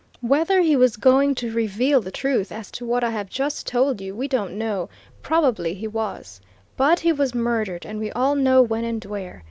Whether he was going to reveal the truth as to what I have just told you, we don't know probably he was. But he was murdered, and we all know when and where.